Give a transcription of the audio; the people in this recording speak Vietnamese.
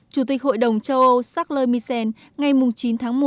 chủ tịch hội đồng châu âu charles misen ngày chín tháng một